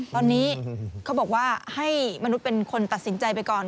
ตอนนี้เขาบอกว่าให้มนุษย์เป็นคนตัดสินใจไปก่อน